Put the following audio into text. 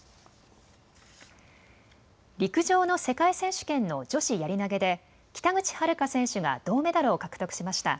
陸上の世界選手権の女子やり投げで北口榛花選手が銅メダルを獲得しました。